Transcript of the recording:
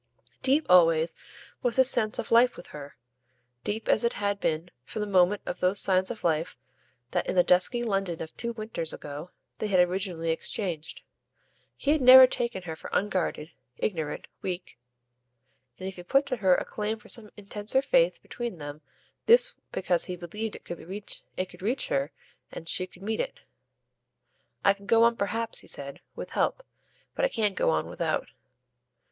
Deep, always, was his sense of life with her deep as it had been from the moment of those signs of life that in the dusky London of two winters ago they had originally exchanged. He had never taken her for unguarded, ignorant, weak; and if he put to her a claim for some intenser faith between them this was because he believed it could reach her and she could meet it. "I can go on perhaps," he said, "with help. But I can't go on without."